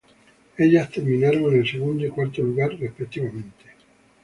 Ellas terminaron en el segundo y cuarto lugar, respectivamente.